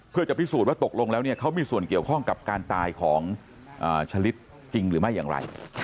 เพื่อจะพิสูจน์ว่าตกลงแล้วเนี่ยเขามีส่วนเกี่ยวข้องกับการตายของชะลิดจริงหรือไม่อย่างไร